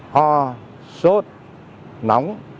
ho sốt nóng